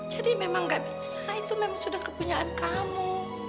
jadi memang gak bisa itu memang sudah kepunyaan kamu